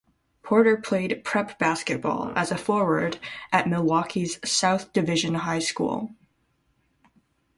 Porter played prep basketball, as a forward, at Milwaukee's South Division High School.